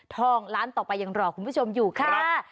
ล้านต่อไปยังรอคุณผู้ชมอยู่ค่ะ